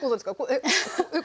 えっ？